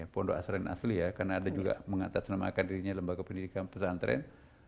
pondok asrain asli ya karena ada juga mengatasnamakan dirinya lembaga pendidikan pesantren